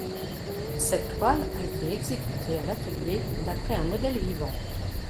Cette toile a été exécutée à l'atelier d'après un modèle vivant.